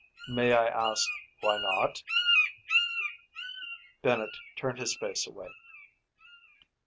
"May I ask why not?" Bennett turned his face away.